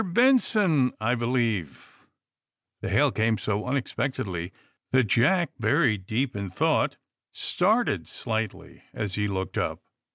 BENSON, I believer' The hail came so iiiiexpectedly that Jack, buried deep in thought, started slightly as he looked up.